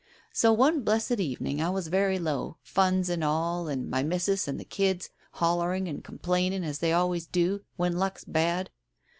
So one blessed evening I was very low — funds and all, and my missus and the kids hollering and complaining as they always do when luck's bad.